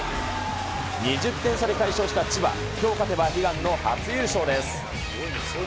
２０点差で快勝した千葉、きょう勝てば悲願の初優勝です。